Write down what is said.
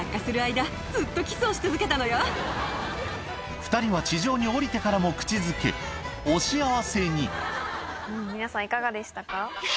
２人は地上に降りてからも口づけお幸せに皆さんいかがでしたか？